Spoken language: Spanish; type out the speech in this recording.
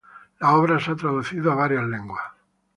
La obra se ha traducido a varias lenguas.